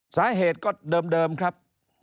สาเหตุก็เดิมครับ